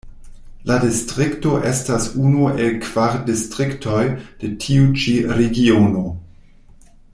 La distrikto estas unu el kvar distriktoj de tiu ĉi regiono.